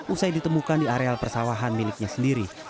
usai ditemukan di areal persawahan miliknya sendiri